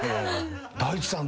大地さん